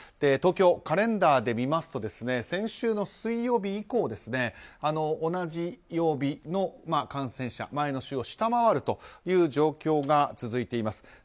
東京、カレンダーで見ますと先週の水曜日以降同じ曜日の感染者前の週を下回るという状況が続いています。